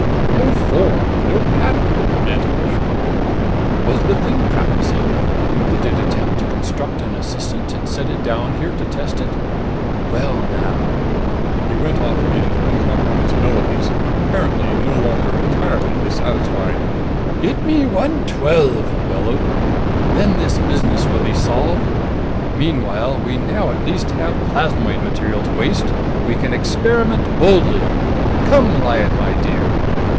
"No form, no pattern," Mantelish rumbled. "Was the thing practicing? Did it attempt to construct an assistant and set it down here to test it? Well, now!" He went off again to incomprehensibilities, apparently no longer entirely dissatisfied. "Get me 112!" he bellowed. "Then this business will be solved! Meanwhile we now at least have plasmoid material to waste. We can experiment boldly! Come, Lyad, my dear."